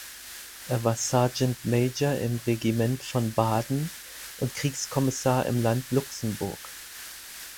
Er war Sergeant Major im Regiment von Baden und Kriegskommissar im Land Luxemburg.